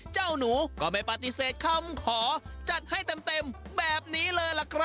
เจ้าหนูก็ไม่ปฏิเสธคำขอจัดให้เต็มแบบนี้เลยล่ะครับ